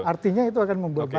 artinya itu akan membuat